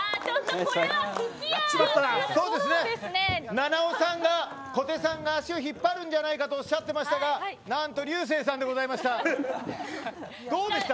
菜々緒さんが小手さんが足を引っ張るんじゃないかとおっしゃっていましたがなんと竜星さんでございました。